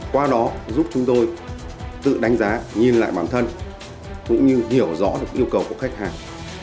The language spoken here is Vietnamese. qua đó giúp chúng tôi tự đánh giá nhìn lại bản thân cũng như hiểu rõ được yêu cầu của khách hàng